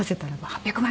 「８００枚？」